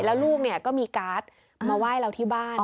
แล้วลูกเนี่ยก็มีการ์ดมาไหว้เราที่บ้าน